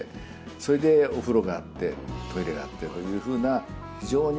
それでお風呂があってトイレがあってというふうな非常に。